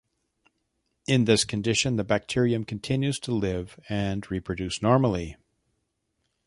In this condition the bacterium continues to live and reproduce normally.